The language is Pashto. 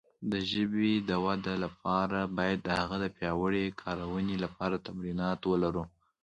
د ژبې د وده لپاره باید د هغه د پیاوړې کارونې لپاره تمرینات ولرو.